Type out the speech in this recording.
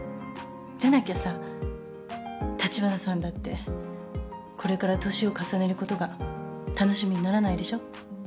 じゃなきゃさ立花さんだってこれから年を重ねることが楽しみにならないでしょ？